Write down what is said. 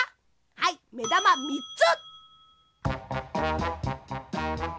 はいめだま３つ！